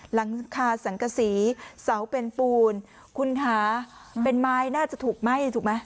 หลังคาสังกษีเสาเป็นปูนคุณคะเป็นไม้น่าจะถูกไหม้ถูกไหม